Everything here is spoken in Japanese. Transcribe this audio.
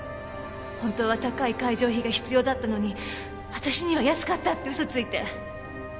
本当は高い会場費が必要だったのに私には安かったって嘘ついて。